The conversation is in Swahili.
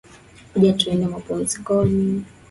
Kuja tuende mapumzikoni